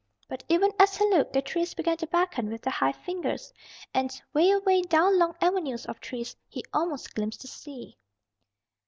But even as he looked the trees began to beckon with their high fingers, and 'way away, down long avenues of trees he almost glimpsed the sea.